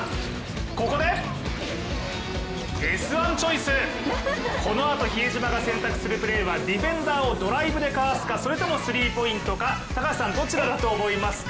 ここで「Ｓ☆１」チョイス、このあと比江島が選択するプレーは、ディフェンダーをドライブでかわすのか、それとも３ポイントか、高橋さんどちらだと思いますか。